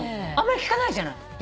あんまり聞かないじゃない。